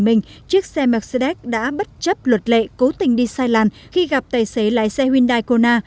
mercedes đã bất chấp luật lệ cố tình đi sai làn khi gặp tài xế lái xe hyundai kona